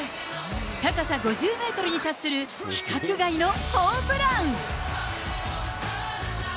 高さ５０メートルに達する規格外のホームラン。